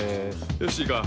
よしいいか？